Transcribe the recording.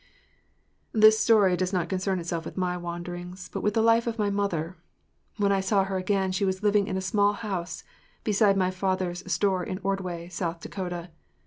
THIS story does not concern itself with my wanderings, but with the life of my mother. When I saw her again she was living in a small house beside my father’s store in Ordway, South Dakota.